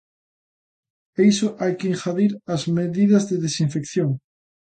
A iso hai que engadir as medidas de desinfección.